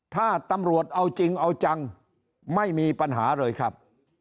ถ้าตำรวจเอาจริงเอาจังไม่มีปัญหาเลยครับ